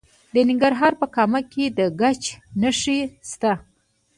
د ننګرهار په کامه کې د ګچ نښې شته.